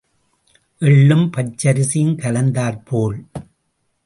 எள்ளும் பச்சரிசியும் கலந்தாற் போல்.